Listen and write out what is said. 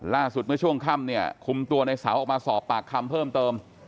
เมื่อช่วงค่ำเนี่ยคุมตัวในเสาออกมาสอบปากคำเพิ่มเติม